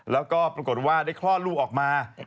แล้วก็ปรากฏว่าได้คลอดลูกออกมา